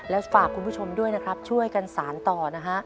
แล้วฝากคุณผู้ชมด้วยนะครับช่วยกันสารต่อนะฮะ